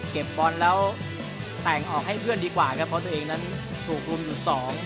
บอลแล้วแต่งออกให้เพื่อนดีกว่าครับเพราะตัวเองนั้นถูกรุมอยู่สอง